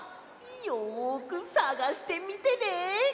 よくさがしてみてね！